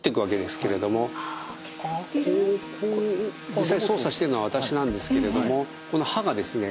実際操作しているのは私なんですけれどもこの刃がですね